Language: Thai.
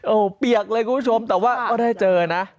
โอ้โหเปียกเลยคุณผู้ชมแต่ว่าก็ได้เจอนะ